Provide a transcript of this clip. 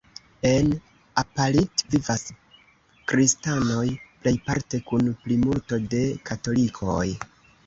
En Apalit vivas kristanoj plejparte kun plimulto de katolikoj.